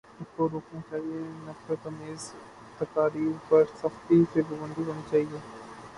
اس کو روکنا چاہیے، نفرت آمیز تقاریر پر سختی سے پابندی ہونی چاہیے۔